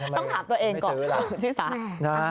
ต้องถามตัวเองก่อนพี่สา